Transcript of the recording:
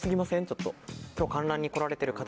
ちょっと。